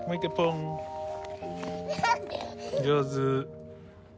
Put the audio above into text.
上手。